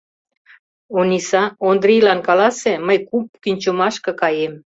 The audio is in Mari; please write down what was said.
Ониса, Ондрийлан каласе, мый куп кӱнчымашке каем.